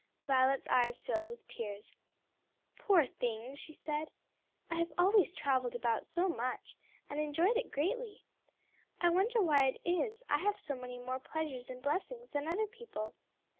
'" Violet's eyes filled with tears. "Poor thing!" she said. "I have always travelled about so much, and enjoyed it greatly. I wonder why it is I have so many more pleasures and blessings than other people."